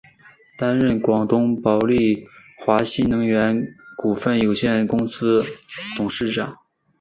担任广东宝丽华新能源股份有限公司董事长。